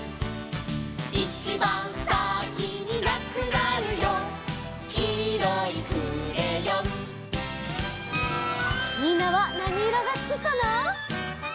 「いちばんさきになくなるよ」「きいろいクレヨン」みんなはなにいろがすきかな？